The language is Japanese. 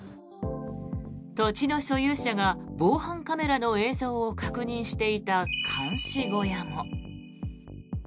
土地の所有者が防犯カメラの映像を確認していた監視小屋も。